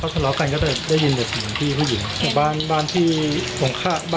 ไม่ได้เลยครับ